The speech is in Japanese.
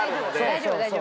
大丈夫大丈夫。